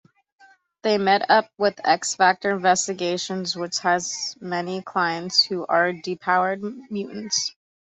They meet up with X-Factor Investigations, which has many clients who are depowered mutants.